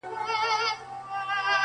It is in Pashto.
• خوښي نسته واويلا ده تور ماتم دئ -